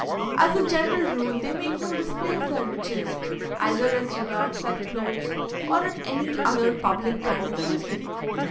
As a general rule, they make no display of their riches, either as regards their clothes, or in any other public kind of luxury.